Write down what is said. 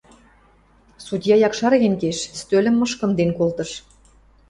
Судья якшарген кеш, стӧлӹм мышкынден колтыш: